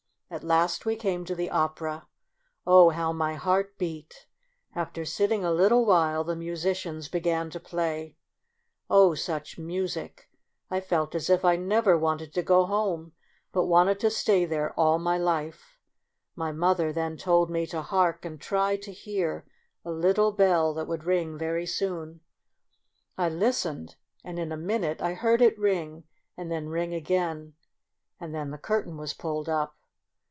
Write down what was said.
At last we came to the opera. Oh, how my heart beat ! After sitting a little while, the musicians began to play. Oh ! such music ; I felt as if I never wanted to go home, but wanted to stay there all my life. My mother then told me to hark and try to hear a little bell that would COUNTRY DOLL. 35 ring very soon. I listened, and in a min ute I heard it ring, and then ring again, and then the curtain was pulled up.